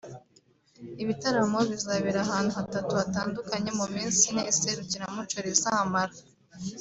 Ibitaramo bizabera ahantu hatatu hatandukanye mu minsi ine iserukiramuco rizamara